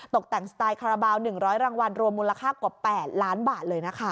ตกแต่งสไตล์คาราบาล๑๐๐รางวัลรวมมูลค่ากว่า๘ล้านบาทเลยนะคะ